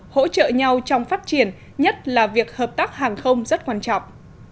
hỗ trợ nhau trong phát triển nhất là việc hợp tác hàng không rất quan trọng